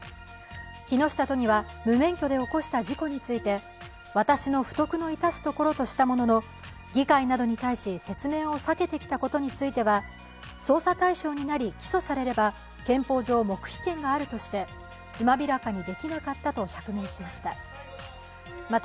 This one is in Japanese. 木下都議は、無免許で起こした事故について私の不徳のいたすところとしたものの議会などに対し、説明を避けてきたことについては捜査対象になり起訴されれば憲法上黙秘権があるとしてつまびらかにできなかったと釈明しました。